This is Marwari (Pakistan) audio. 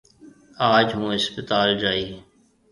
آج هُون هسپتال جائِي۔